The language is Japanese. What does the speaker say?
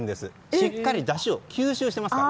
しっかりだしを吸収していますから。